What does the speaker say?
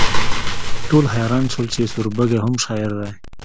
ټول حیران شول چې سوربګی هم شاعر دی